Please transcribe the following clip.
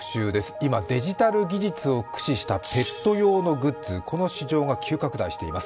今、デジタル技術を駆使したペット用のグッズ、この市場が急拡大しています。